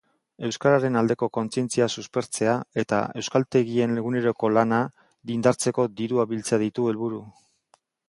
Euskararen aldeko kontzientzia suspertzea eta euskaltegien eguneroko lana indartzeko dirua biltzea ditu helburu.